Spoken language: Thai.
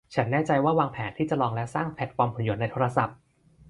ฉันแน่ใจว่าวางแผนที่จะลองและสร้างแพลตฟอร์มหุ่นยนต์ในโทรศัพท์